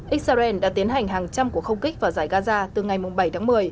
israel đã tiến hành hàng trăm cuộc không kích vào giải gaza từ ngày bảy tháng một mươi